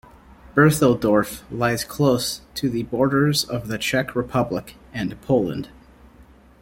Berthelsdorf lies close to the borders of the Czech Republic and Poland.